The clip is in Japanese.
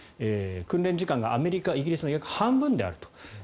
訓練時間がアメリカ、イギリスの半分であると。